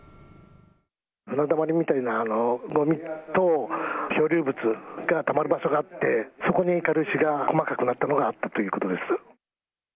船だまりみたいなごみと、漂流物がたまる場所があって、そこに軽石が細かくなったのがあったということです。